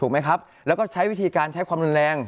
มันจับตลปัดมากเลยรู้เปล่า